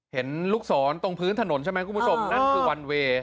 เห็นลูกศรตรงพื้นถนนใช่ไหมคุณผู้ชมนั่นคือวันเวย์